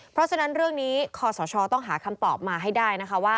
เพราะฉะนั้นเรื่องนี้คศต้องหาคำตอบมาให้ได้